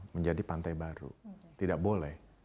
menjadi pantai baru tidak boleh